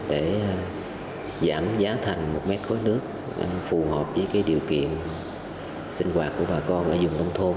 để giảm giá thành một mét khối nước phù hợp với điều kiện sinh hoạt của bà con ở dùng nông thôn